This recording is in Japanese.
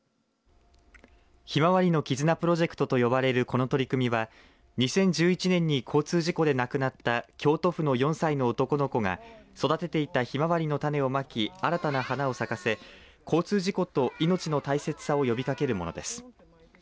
ひまわりの絆プロジェクトと呼ばれるこの取り組みは２０１１年に交通事故で亡くなった京都府の４歳の男の子が育てていたひまわりの種をまき新たな花を咲かせ交通事故と命の大切さを呼びかけるものです。